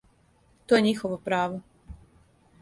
То је њихово право.